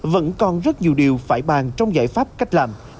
vẫn còn rất nhiều điều phải bàn trong giải pháp cách làm